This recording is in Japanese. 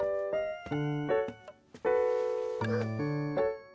あっ。